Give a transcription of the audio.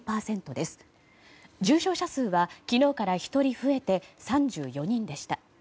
重症者数は昨日から１人増えて３４人でした。